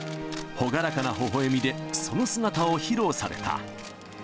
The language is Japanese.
朗らかなほほえみでその姿を披露された。